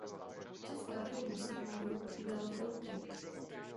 Česká firma Sigma Group dodala filtry.